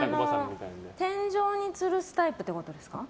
天井につるすタイプってことですか。